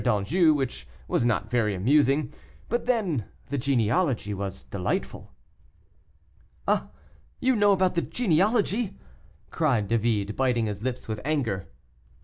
d'Anjou, which was not very amusing; but then the genealogy was delightful." "Ah! you know about the genealogy?" cried David, biting his lips with anger.